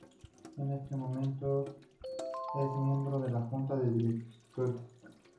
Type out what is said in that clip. En este momento es miembro de la Junta de Directores.